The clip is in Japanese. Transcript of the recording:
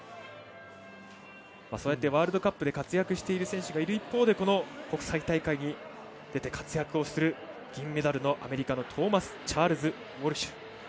そうやってワールドカップで活躍している選手がいる一方でこの国際大会に出て活躍をする銀メダルのアメリカのトーマスチャールズ・ウォルシュ。